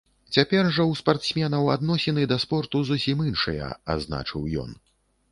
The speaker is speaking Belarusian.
Цяпер жа ў спартсменаў адносіны да спорту зусім іншыя, адзначыў ён.